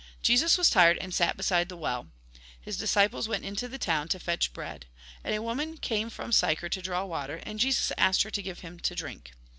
Jesus was tired, and sat beside the well. His disciples \\'ent into the town to fetch bread. And a woman came from Sychar to draw water, and Jesus asked her to give him to drink.